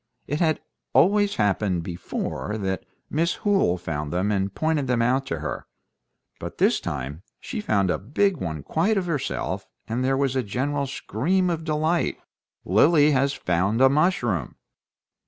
It had always happened before that Miss Hoole found them and pointed them out to her; but this time she found a big one quite of herself, and there was a general scream of delight, "Lily has found a mushroom!"